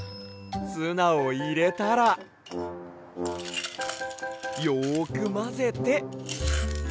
ツナをいれたらよくまぜて。